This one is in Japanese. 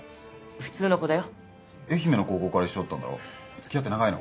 普通の子だよ愛媛の高校から一緒だったんだろ付き合って長いの？